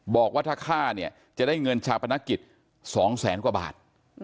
บอกว่าถ้าฆ่าเนี่ยจะได้เงินชาปนกิจ๒แสนกว่าบาท